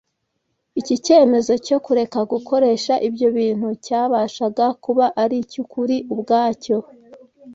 Iki cyemezo cyo kureka gukoresha ibyo bintu cyabashaga kuba ari icy’ukuri ubwacyo